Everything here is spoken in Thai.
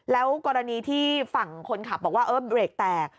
แล้วกรณีที่ฝั่งคนขับบอกว่าเออเบรกแตก